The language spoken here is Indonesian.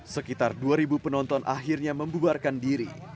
sekitar dua penonton akhirnya membubarkan diri